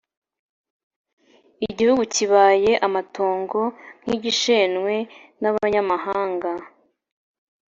Igihugu kibaye amatongo nk’igishenywe n’abanyamahanga